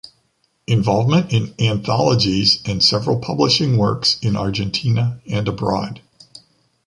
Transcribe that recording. Involvement in anthologies and several publishing works in Argentina and abroad.